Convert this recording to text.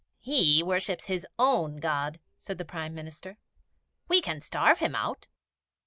'He worships his own God,' said the Prime Minister. We can starve him out.'